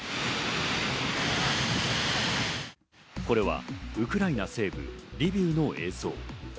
これはウクライナ西部リビウの映像。